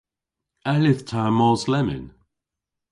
A yllydh ta mos lemmyn?